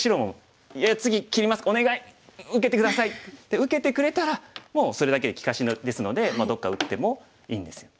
受けてくれたらもうそれだけで利かしですのでどっか打ってもいいんですよ。